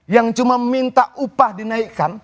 yang cuma minta upah dinaikkan